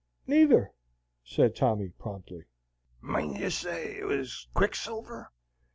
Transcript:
"Neither," said Tommy, promptly. "Mightn't you say it was quicksilver?